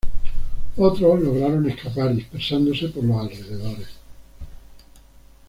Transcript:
Otros lograron escapar, dispersándose por los alrededores.